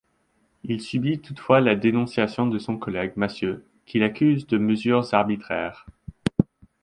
Il subit toutefois la dénonciation de son collègue Massieu qui l'accuse de mesures arbitraires.